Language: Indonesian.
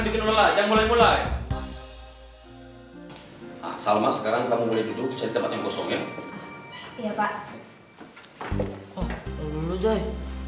mulai mulai mulai nah salma sekarang kamu mulai duduk setelah yang kosong ya iya pak